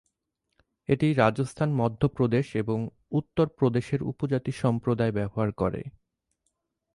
এটি রাজস্থান, মধ্যপ্রদেশ এবং উত্তরপ্রদেশের উপজাতি সম্প্রদায় ব্যবহার করে।